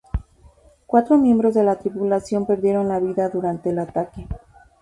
Cuatro miembros de la tripulación, perdieron la vida durante el ataque.